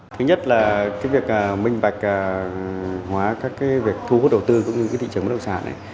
thứ nhất là việc minh bạch hóa các việc thu hút đầu tư cũng như thị trường bất động sản